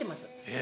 え！